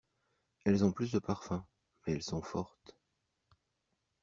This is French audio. Elles ont plus de parfum, mais elles sont fortes.